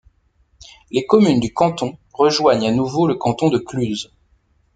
Les communes du canton rejoignent à nouveau le canton de Cluses.